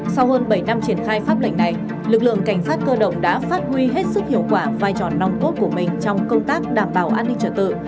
sau hơn bảy năm triển khai pháp lệnh này lực lượng cảnh sát cơ động đã phát huy hết sức hiệu quả vai trò nòng cốt của mình trong công tác đảm bảo an ninh trật tự